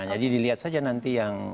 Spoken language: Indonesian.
jadi dilihat saja nanti yang